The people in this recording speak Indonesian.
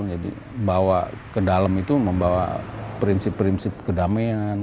jadi bawa ke dalam itu membawa prinsip prinsip kedamaian